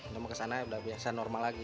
nanti kesana udah biasa normal lagi